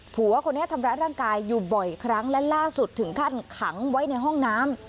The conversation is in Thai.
ผัวคนนี้ทำร้ายร่างกายอยู่บ่อยครั้งและล่าสุดถึงขั้นขังไว้ในห้องน้ำ